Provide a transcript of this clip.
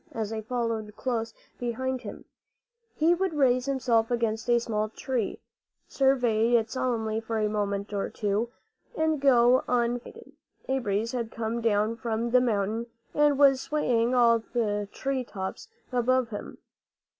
As I followed close behind him, he would raise himself against a small tree, survey it solemnly for a moment or two, and go on unsatisfied. A breeze had come down from the mountain and was swaying all the tree tops above him.